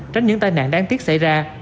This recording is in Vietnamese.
tránh những tai nạn đáng tiếc xảy ra